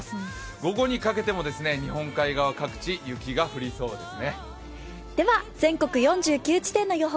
午後にかけても日本海側、各地雪が降りそうですね。